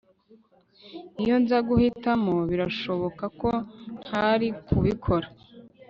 Iyo nza guhitamo birashoboka ko ntari kubikora